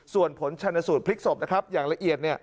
ส่วนผลชนสูตรพลิกศพนะครับอย่างละเอียด